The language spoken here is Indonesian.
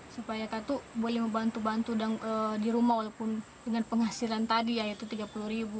supaya katu boleh membantu bantu di rumah walaupun dengan penghasilan tadi yaitu tiga puluh ribu